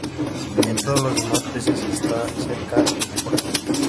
En todos los demás peces, están cerca de la cola.